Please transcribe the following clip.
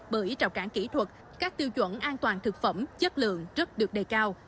bởi trào cản kỹ thuật các tiêu chuẩn an toàn thực phẩm chất lượng rất được đề cao